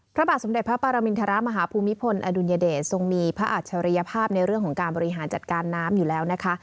พระบาทสมเด็จพระปรมินทรมาฮภูมิพลอดุลยเดชทรงมีพระอัจฉริยภาพในเรื่องของการบริหารจัดการน้ำอยู่แล้วนะคะ